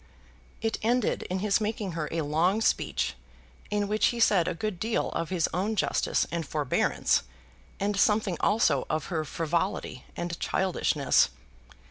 It ended in his making her a long speech, in which he said a good deal of his own justice and forbearance, and something also of her frivolity and childishness.